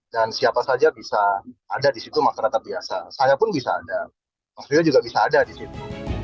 dan siapa saja bisa ada di situ masyarakat biasa saya pun bisa ada mas ria juga bisa ada di situ